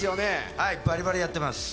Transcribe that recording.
はい、バリバリやってます。